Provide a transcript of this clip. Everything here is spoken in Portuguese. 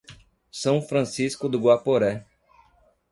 São Francisco do Guaporé